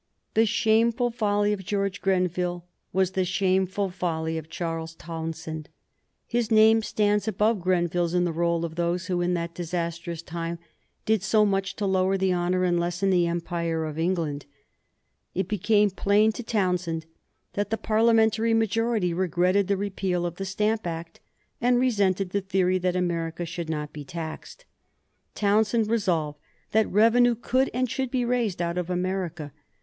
The shameful folly of George Grenville was the shameful folly of Charles Townshend. His name stands above Grenville's in the roll of those who in that disastrous time did so much to lower the honor and lessen the empire of England. It became plain to Townshend that the Parliamentary majority regretted the repeal of the Stamp Act and resented the theory that America should not be taxed. Townshend resolved that revenue could and should be raised out of America.